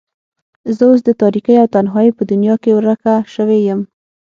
زه اوس د تاريکۍ او تنهايۍ په دنيا کې ورکه شوې يم.